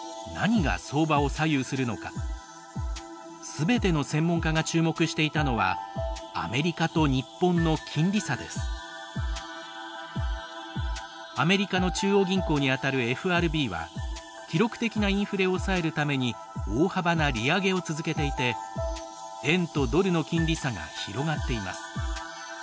すべての専門家が注目していたのはアメリカの中央銀行にあたるＦＲＢは記録的なインフレを抑えるために大幅な利上げを続けていて円とドルの金利差が広がっています。